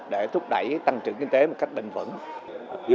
để thúc đẩy tăng trưởng kinh tế một cách bình vững